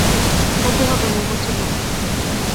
হতে হবে মউমাছির মতো।